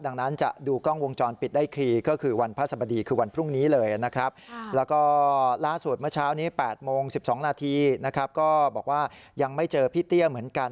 ดังนั้นจะดูกล้องวงจรปิดได้คลี